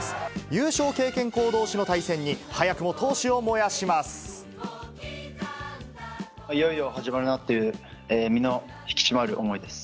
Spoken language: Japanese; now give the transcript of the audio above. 優勝経験校どうしの対戦に、いよいよ始まるなっていう、身の引き締まる思いです。